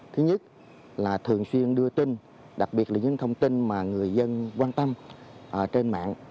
thứ nhất là thường xuyên đưa tin đặc biệt là những thông tin mà người dân quan tâm trên mạng